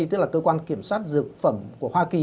tức là cơ quan kiểm soát dược phẩm của hoa kỳ